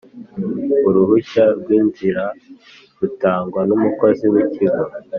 Uruhushya rw inzira rutangwa n umukozi w Ikigo